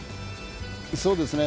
そうですね。